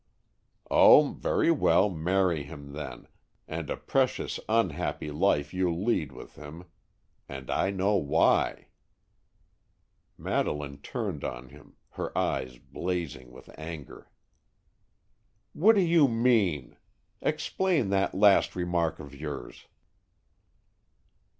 "Oh, very well, marry him, then, and a precious unhappy life you'll lead with him,—and I know why." Madeleine turned on him, her eyes blazing with anger. "What do you mean? Explain that last remark of yours."